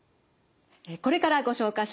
これからご紹介します